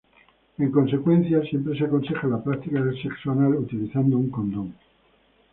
En consecuencia "siempre" se aconseja la práctica del sexo anal utilizando un condón.